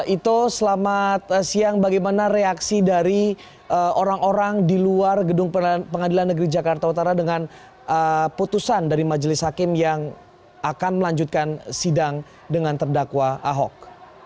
itu selamat siang bagaimana reaksi dari orang orang di luar gedung pengadilan negeri jakarta utara dengan putusan dari majelis hakim yang akan melanjutkan sidang dengan terdakwa ahok